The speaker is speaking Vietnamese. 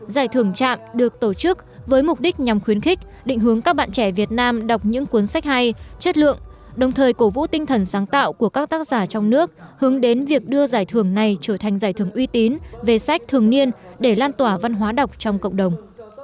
giải thưởng trạm được tổ chức với mục đích nhằm khuyến khích định hướng các bạn trẻ việt nam đọc những cuốn sách hay chất lượng đồng thời cổ vũ tinh thần sáng tạo của các tác giả trong nước hướng đến việc đưa giải thưởng này trở thành giải thưởng uy tín về sách thường niên để lan tỏa văn hóa đọc trong cộng đồng